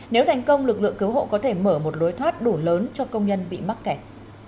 nếu thành công lực lượng cứu hộ có thể mở một lối thoát đủ lớn cho công nhân bị mắc kẹt